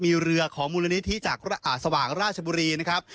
มีเรือของมูลนิธิจากสว่างราชบุรีนะครับ